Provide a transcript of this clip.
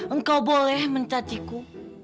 engkau boleh mencati ku